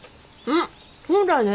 んそうだね。